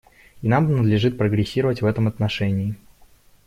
И нам надлежит прогрессировать в этом отношении.